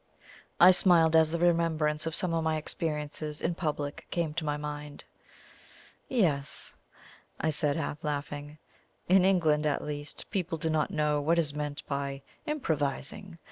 I smiled as the remembrance of some of my experiences in public came to my mind. "Yes," I said, half laughing. "In England, at least, people do not know what is meant by IMPROVISING.